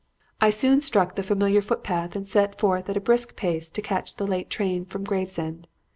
"I soon struck the familiar footpath and set forth at a brisk pace to catch the late train from Gravesend.